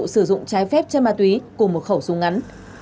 sử dụng trái phép chân ma túy cùng một khẩu súng ngắn